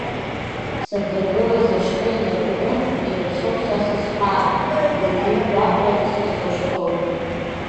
Сандыргылаз аҽны инаркны ирацәоуп са сызхаану, гәырҩеи гәаҟреи сызлаԥшхьоу…